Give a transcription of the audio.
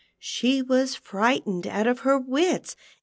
She was fri'^htened out of her wits.